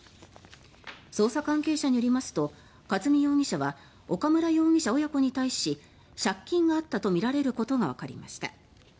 捜査関係者によりますと和美容疑者は岡村容疑者親子に対し借金があったとみられることがわかりました。